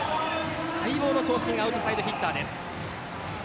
待望の長身アウトサイドヒッターです。